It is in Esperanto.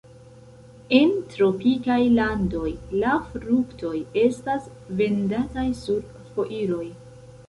En tropikaj landoj la fruktoj estas vendataj sur foiroj.